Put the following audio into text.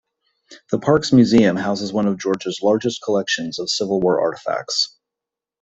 The park's museum houses one of Georgia's largest collections of Civil War artifacts.